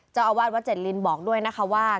เจ้าอาวาสวัดเจ็ดลินบอกด้วยนะคะว่า